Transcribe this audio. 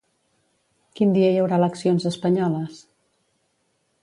Quin dia hi haurà eleccions espanyoles?